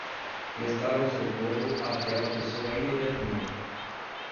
Prestaram socorro àquela pessoa imediatamente.